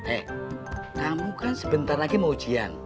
eh kamu kan sebentar lagi mau ujian